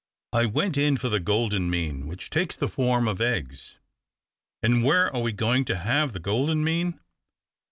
I went in for the golden mean, which takes the form of eggs." " And where are we going to have the golden mean